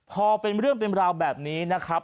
พอเป็นเรื่องเป็นราวแบบนี้นะครับ